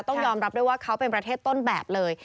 ต้องยอมรับด้วยว่าเขาเป็นประเทศต้นแบบเลย